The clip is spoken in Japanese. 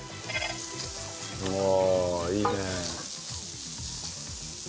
あいいね。